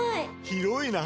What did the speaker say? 広いな！